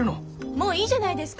もういいじゃないですか。